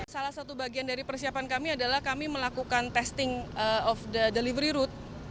salah satu bagian dari persiapan kami adalah kami melakukan testing of the delivery road